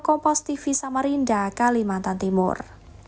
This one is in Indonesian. kompos tv samarinda kalimantan timur